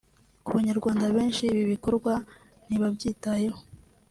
Ku banyarwanda benshi ibi bikorwa ntibabyitayeho